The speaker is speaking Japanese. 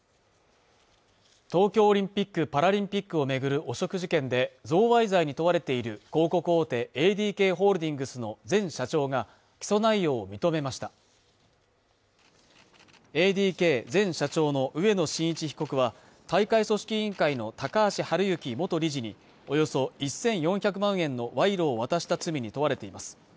東京オリンピック・パラリンピックを巡る汚職事件で贈賄罪に問われている広告大手ＡＤＫホールディングスの前社長が起訴内容を認めましたＡＤＫ前社長の植野伸一被告は大会組織委員会の高橋治之元理事におよそ１４００万円の賄賂を渡した罪に問われています